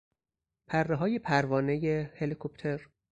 پرههای پروانهی هلیکوپتر